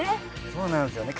そうなんですよね。